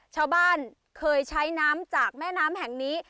ชาวบ้านเคยใช้น้ำจากแม่น้ำแห่งนี้